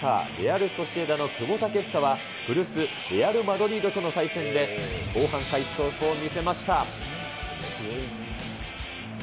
レアル・ソシエダの久保建英は古巣レアル・マドリードとの対戦で、後半開始早々、見せました。